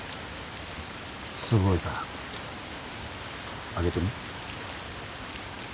すごいから開けてみ。